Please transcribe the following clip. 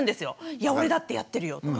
「いや俺だってやってるよ！」とか。